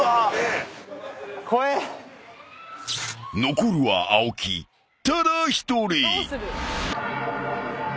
［残るは青木ただ１人］